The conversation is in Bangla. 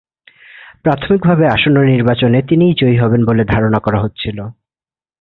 প্রাথমিকভাবে আসন্ন নির্বাচনে তিনিই জয়ী হবেন বলে ধারণা করা হচ্ছিল।